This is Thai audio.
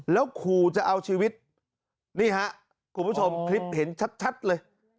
แล้วขู่จะเอาชีวิตนี่ฮะคุณผู้ชมคลิปเห็นชัดเลย